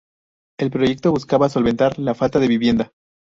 El proyecto buscaba solventar la falta de vivienda.